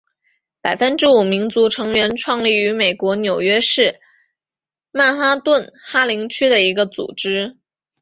百分之五民族成员创立于美国纽约市曼哈顿哈林区的一个组织。